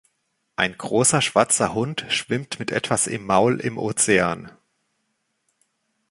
Ein großer schwarzer Hund schwimmt mit etwas im Maul im Ozean.